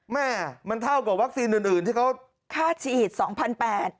แม่มันเท่ากับวัคซีนอื่นอื่นที่เขาค่าฉีดสองพันแปด